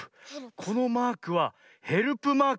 このマークはヘルプマーク。